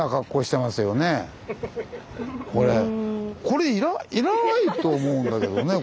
これ要らないと思うんだけどね。